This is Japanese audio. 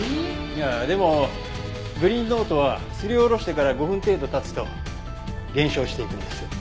でもグリーンノートはすりおろしてから５分程度経つと減少していくんです。